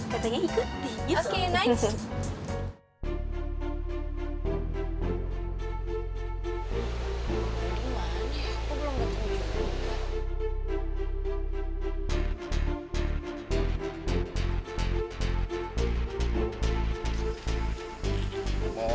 katanya ikut deh gitu